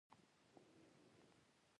ستونزه ستاسو په معده کې ده.